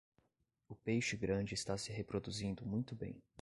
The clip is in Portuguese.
O peixe grande está se reproduzindo muito bem.